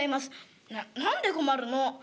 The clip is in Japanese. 「な何で困るの！」。